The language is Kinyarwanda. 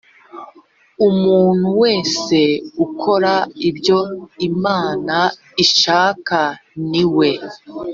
umuntu wese ukora ibyo imana ishaka ni we